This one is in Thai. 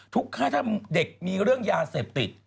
ถ้าเด็กมีเรื่องยาเสพติด